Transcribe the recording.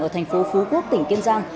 ở thành phố phú quốc tỉnh kiên giang